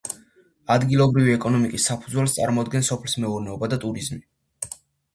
ადგილობრივი ეკონომიკის საფუძველს წარმოადგენს სოფლის მეურნეობა და ტურიზმი.